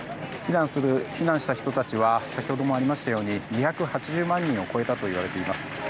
避難した人たちは先ほどもありましたように２８０万人を超えたといわれています。